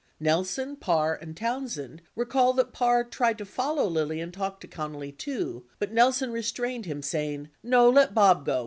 Nelson, Parr, and Townsend recall that Parr tried to follow Lilly and talk to Connally, too, but Nelson restrained him, saying, "No, let Bob go.